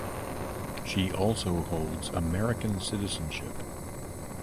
She also holds American citizenship.